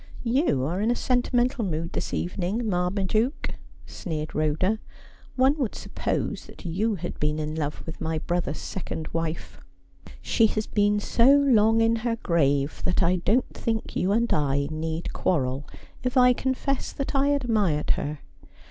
'' You are in a sentimental mood this evening, Marmaduke,' sneered Rhoda. ' One would suppose that you had been in love with my brother's second wife.' ' She has been so long in her grave that I don't think you and I need quarrel if I confess that I admired her.